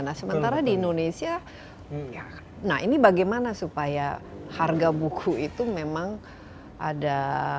nah sementara di indonesia nah ini bagaimana supaya harga buku itu memang ada